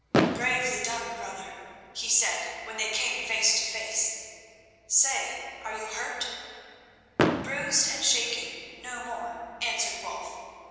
"Bravely done, brother," he said, when they came face to face. "Say, are you hurt?" "Bruised and shaken—no more," answered Wulf.